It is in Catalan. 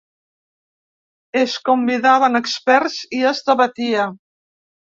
Es convidaven experts i es debatia.